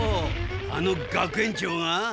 あの学園長が！？